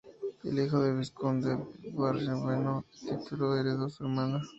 Es hijo del vizconde de Barrionuevo, título que heredó su hermana.